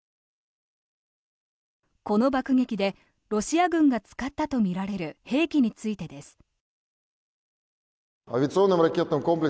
この爆撃でロシア軍が使ったとみられる兵器についてです。